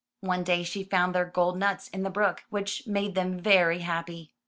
One day she found their gold nuts in the brook, which made them very happy.